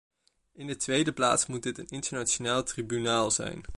In de tweede plaats moet dit een internationaal tribunaal zijn.